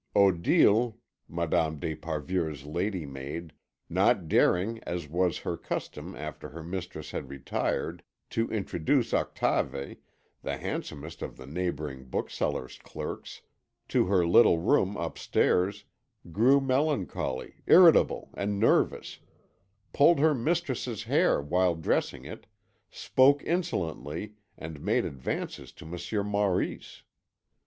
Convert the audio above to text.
Odile, Madame d'Esparvieu's lady's maid, not daring, as was her custom after her mistress had retired, to introduce Octave, the handsomest of the neighbouring bookseller's clerks, to her little room upstairs, grew melancholy, irritable and nervous, pulled her mistress's hair while dressing it, spoke insolently, and made advances to Monsieur Maurice.